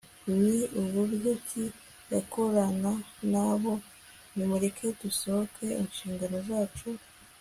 ni buryo ki yakorana na bo? nimureke dusohoze inshingano yacu